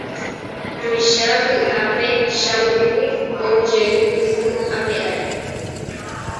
Tuicha vy'ápe Chavuku oujey yvy ape ári